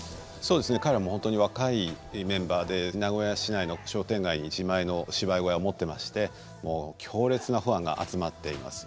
彼らはホントに若いメンバーで名古屋市内の商店街に自前の芝居小屋持ってましてもう強烈なファンが集まっています。